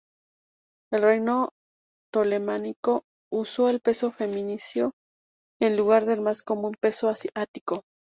El reino ptolemaico usó el peso fenicio en lugar del más común peso ático.